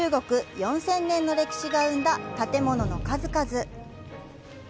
４０００年の歴史が生んだ建物の数々。